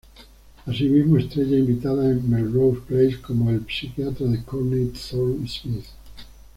Asimismo, estrella invitada en "Melrose Place" como el psiquiatra de Courtney Thorne-Smith.